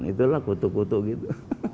itulah kutuk kutuk gitu